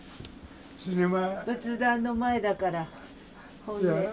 仏壇の前だからねえ。